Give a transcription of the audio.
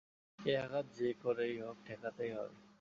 এ আঘাত যে করেই হোক ঠেকাতেই হবে।